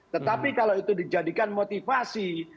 tetapi kalau itu dijadikan motivasi